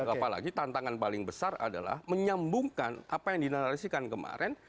apalagi tantangan paling besar adalah menyambungkan apa yang dinalisikan kemarin